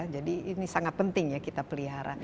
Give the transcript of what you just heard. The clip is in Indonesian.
jadi ini sangat penting ya kita pelihara